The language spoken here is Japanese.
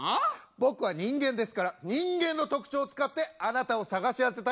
僕は人間ですから人間の特徴を使ってあなたを捜し当てたいと思います。